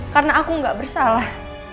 karena aku gak bersalah